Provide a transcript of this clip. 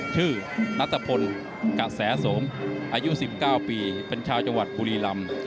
ชื่อนัตะพนท์กะแสสมอายุ๑๙ปีเป็นชายจังหวัดบุรีลำ